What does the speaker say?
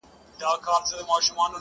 خدای دي رحم پر زاړه کفن کښ وکي!.